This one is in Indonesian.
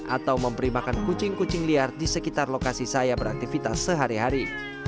atau memberi makan kucing kucing liar di sekitar lokasi saya beraktivitas sehari hari